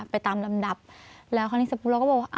ไปตามลำดับแล้วคราวนี้เสร็จปุ๊บเราก็บอกว่า